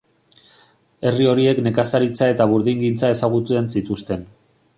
Herri horiek nekazaritza eta burdingintza ezagutzen zituzten.